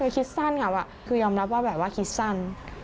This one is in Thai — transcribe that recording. คิดสั้นครับคือยอมรับว่าคิดสั้น